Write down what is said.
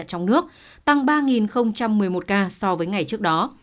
tăng ba một mươi một ca so với ngày trước đó